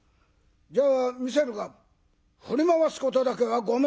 じゃあ見せるが振り回すことだけはごめんだぞ」。